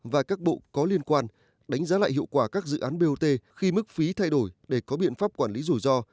và các bộ có liên quan đánh giá lại hiệu quả các dự án bot khi mức phí thay đổi để có biện pháp quản lý rủi ro